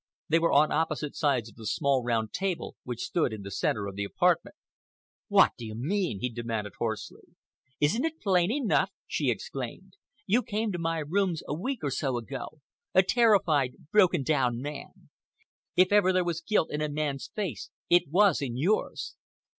They were on opposite sides of the small round table which stood in the centre of the apartment. "What do you mean?" he demanded hoarsely. "Isn't it plain enough?" she exclaimed. "You came to my rooms a week or so ago, a terrified, broken down man. If ever there was guilt in a man's face, it was in yours.